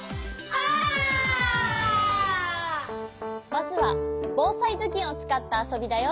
まずはぼうさいずきんをつかったあそびだよ。